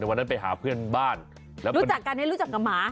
วันนั้นไปหาเพื่อนบ้านแล้วรู้จักกันให้รู้จักกับหมา